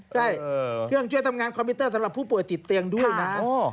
ใช่เครื่องช่วยทำงานคอมพิวเตอร์สำหรับผู้ป่วยติดเตียงด้วยนะ